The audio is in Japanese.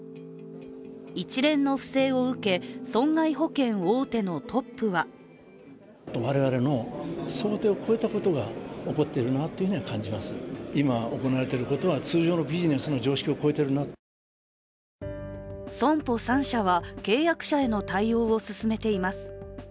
一連の不正を受け、損害保険大手のトップは損保３社は契約者への対応を進めています。